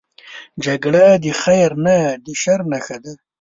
جګړه د خیر نه، د شر نښه ده